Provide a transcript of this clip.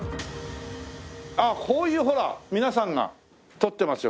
ああこういうほら皆さんが撮ってますよ。